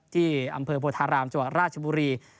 ที่อำเภอโพธารามจังหวัดราชบุรี